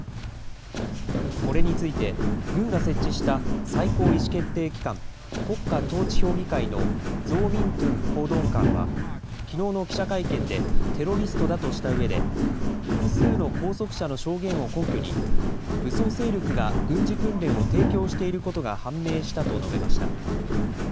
これについて、軍が設置した最高意思決定機関、国家統治評議会のゾー・ミン・トゥン報道官は、きのうの記者会見でテロリストだとしたうえで、複数の拘束者の証言を根拠に武装勢力が軍事訓練を提供していることが判明したと述べました。